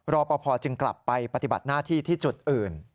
รอปภจึงกลับไปปฏิบัติหน้าที่ที่จุดอื่น